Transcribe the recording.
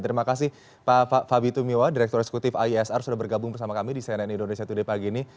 terima kasih pak fabi tumiwa direktur eksekutif iesr sudah bergabung bersama kami di cnn indonesia today pagi ini